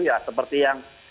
ya seperti yang